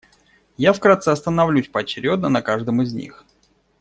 Я вкратце остановлюсь поочередно на каждом из них.